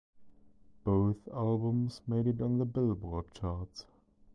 Both albums made it on the "Billboard" charts.